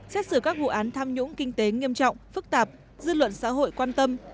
xét xử các vụ án tham nhũng kinh tế nghiêm trọng phức tạp dư luận xã hội quan tâm